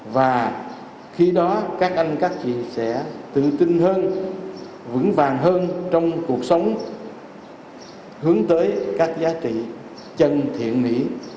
và khi đó các anh các chị sẽ tự tin hơn vững vàng hơn trong cuộc sống hướng tới các giá trị chân thiện mỹ